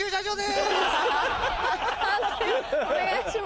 判定お願いします。